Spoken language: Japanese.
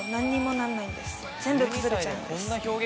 全部崩れちゃうんです。